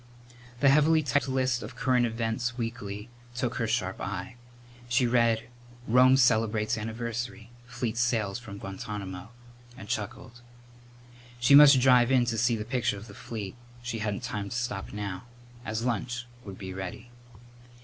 The heavily typed list of the current events weekly took her sharp eye. She read, "Rome Celebrates Anniversary Fleet Sails from Guantanamo," and chuckled. She must drive in to see the picture of the fleet. She hadn't time to stop now, as lunch would be ready.